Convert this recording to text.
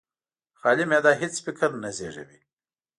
خالي معده هېڅ فکر نه زېږوي.